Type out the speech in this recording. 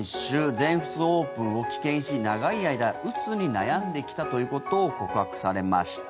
全仏オープンを棄権し長い間うつに悩んできたということを告白されました。